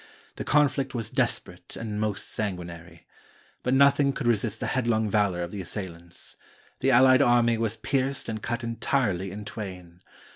The conflict was desperate and most sanguinary. But noth ing could resist the headlong valor of the assailants. The allied army was pierced and cut entirely in twain.